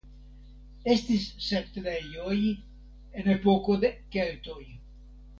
Estis setlejoj en epoko de keltoj.